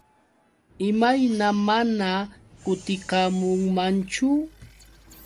¿Imayna mana kutikamunmanchu?